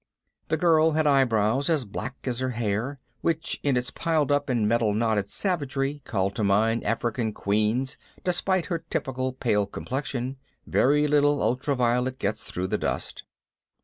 The girl had eyebrows as black as her hair, which in its piled up and metal knotted savagery called to mind African queens despite her typical pale complexion very little ultraviolet gets through the dust.